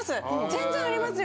全然ありますよ。